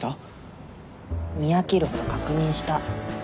見飽きるほど確認した。